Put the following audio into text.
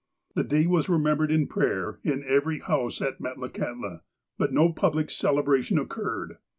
The day was remembered in prayer in every house at Metlakahtla. But no public celebration oc curred.